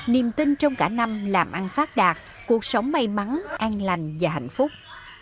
niềm tin trong cả năm làm ăn phát đạt cuộc sống may mắn an lành và hạnh phúc